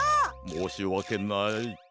もうしわけない。